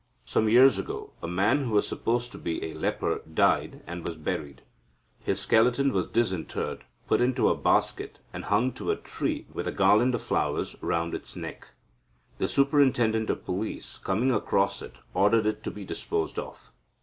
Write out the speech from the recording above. Some years ago, a man who was supposed to be a leper died, and was buried. His skeleton was disinterred, put into a basket, and hung to a tree with a garland of flowers round its neck. The Superintendent of Police, coming across it, ordered it to be disposed of.